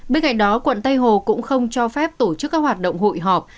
bên cạnh đó quận tây hồ cũng không cho phép tổ chức các hoạt động hội họp